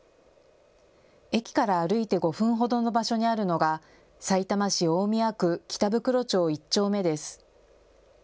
駅から歩いて５分ほどの場所にあるのがさいたま市大宮区北袋町１丁目です。